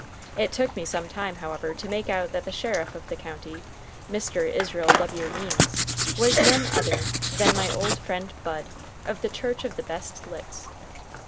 It took me some time, however, to make out that the sheriff of the county, Mr. Israel W. Means, was none other than my old friend Bud, of the Church of the Best Licks.